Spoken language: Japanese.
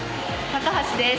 高橋です。